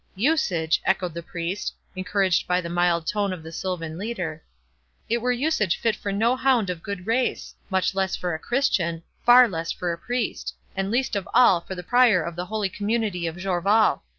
"Usage!" echoed the priest, encouraged by the mild tone of the silvan leader; "it were usage fit for no hound of good race—much less for a Christian—far less for a priest—and least of all for the Prior of the holy community of Jorvaulx.